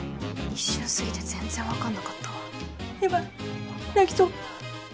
一瞬すぎて全然分かんなかったわやばい泣きそうはっ？